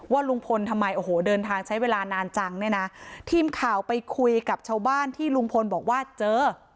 ลุงพลทำไมโอ้โหเดินทางใช้เวลานานจังเนี่ยนะทีมข่าวไปคุยกับชาวบ้านที่ลุงพลบอกว่าเจอ